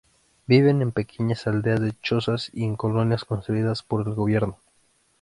Viven en pequeñas aldeas de chozas y en colonias construidas por el gobierno.